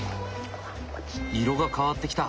色が変わってきた。